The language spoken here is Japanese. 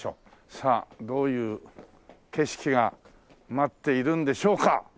さあどういう景色が待っているんでしょうか？